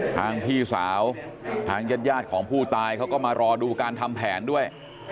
พี่สาวทางญาติของผู้ตายเขาก็มารอดูการทำแผนด้วย